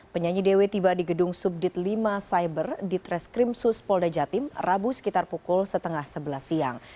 penyanyi dw tiba di gedung subdit lima cyber ditreskrim suspolda jatim rabu sekitar pukul setengah sebelas siang